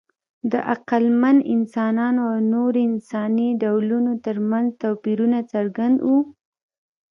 د عقلمن انسانانو او نورو انساني ډولونو ترمنځ توپیرونه څرګند وو.